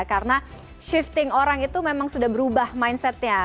karena shifting orang itu memang sudah berubah mindsetnya